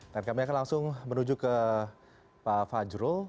dan kami akan langsung menuju ke pak fajrul